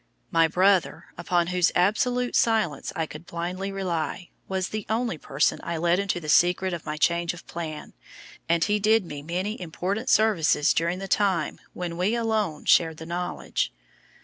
My brother, upon whose absolute silence I could blindly rely, was the only person I let into the secret of my change of plan, and he did me many important services during the time when we alone shared the knowledge.